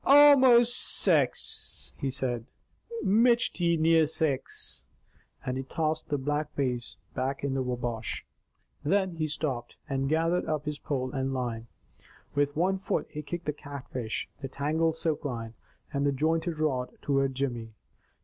"Almost seex," he said. "Michty near seex!" And he tossed the Black Bass back into the Wabash. Then he stooped, and gathered up his pole and line. With one foot he kicked the catfish, the tangled silk line, and the jointed rod, toward Jimmy.